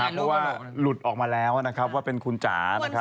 เพราะว่าหลุดออกมาแล้วนะครับว่าเป็นคุณจ๋านะครับ